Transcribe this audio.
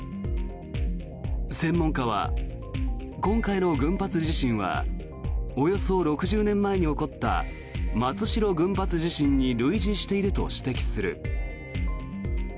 専門家は、今回の群発地震はおよそ６０年前に起こった松代群発地震に類似していると指摘する。